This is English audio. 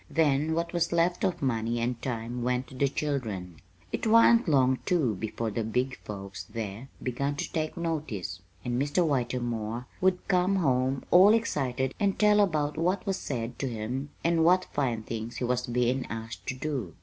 Then what was left of money and time went to the children. It wa'n't long, too, before the big folks there begun to take notice, and Mr. Whitermore would come home all excited and tell about what was said to him and what fine things he was bein' asked to do.